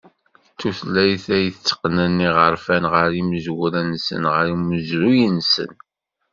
D tuylayt ay itteqqnen iɣerfan ɣer yimezwura-nsen, ɣer umezruy-nsen.